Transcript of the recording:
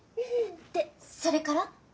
でそれから？